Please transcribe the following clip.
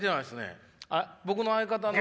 僕の相方の。